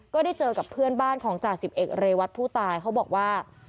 ก็ได้เจอกับเพื่อนบ้านของจ่าสิบเอกเรวัตผู้ตายเขาบอกว่า